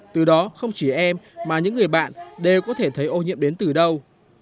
từ đó không chỉ em mà những người bạn đều có thể thấy ô nhiễm đến từ đâu